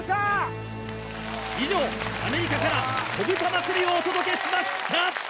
以上アメリカから子豚祭りをお届けしました！